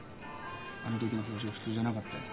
あの時の表情普通じゃなかったよ。